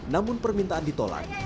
namun permintaan ditolak